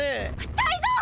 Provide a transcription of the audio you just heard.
タイゾウ！